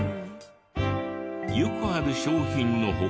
よくある商品の他。